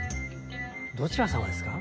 どちらさまですか？